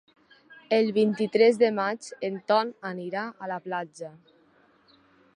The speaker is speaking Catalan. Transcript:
El vint-i-tres de maig en Ton anirà a la platja.